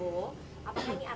bersama dengan pak prabowo